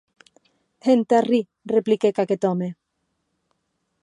Entà arrir, repliquèc aqueth òme.